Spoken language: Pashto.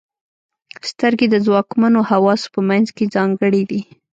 • سترګې د ځواکمنو حواسو په منځ کې ځانګړې دي.